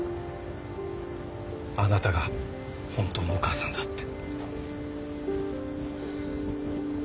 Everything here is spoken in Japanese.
あなたが本当のお母さんだって。